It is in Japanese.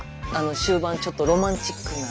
終盤ちょっとロマンチックな。